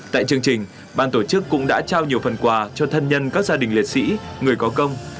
tại chương trình ban tổ chức cũng đã trao nhiều phần quà cho thân nhân các gia đình liệt sĩ người có công